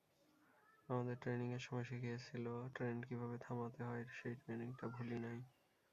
আমাদের ট্রেনিংয়ের সময় শিখিয়েছিল ট্রেন কীভাবে থামাতে হয়—সেই ট্রেনিংটা ভুলি নাই।